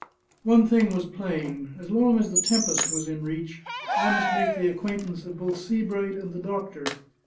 One thing was plain: as long as the Tempest was in reach, I must make the acquaintance of both Sebright and the doctor.